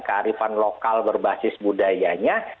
kearifan lokal berbasis budayanya